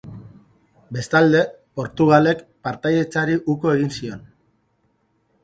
Bestalde Portugalek partaidetzari uko egin zion.